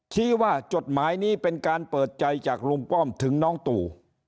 ชี้ว่าจดหมายนี้เป็นการเปิดใจจากลุงป้อมถึงน้องตู่